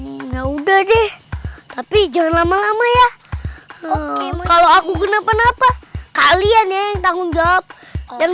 nah udah deh tapi jangan lama lama ya kalau aku kenapa napa kalian ya tanggung jawab yang